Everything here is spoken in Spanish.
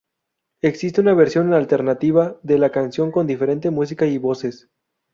Existe una versión alternativa de la canción, con diferente música y voces.